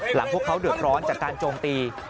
พวกเขาเดือดร้อนจากการโจมตี